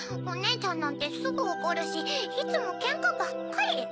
おねえちゃんなんてすぐおこるしいつもケンカばっかり！